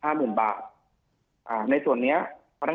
ในส่วนนี้พนักงานสภาพสวนฯได้ทำสัญญาประกัน